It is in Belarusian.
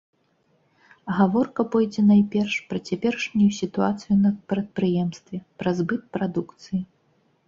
Гаворка пойдзе найперш пра цяперашнюю сітуацыю на прадпрыемстве, пра збыт прадукцыі.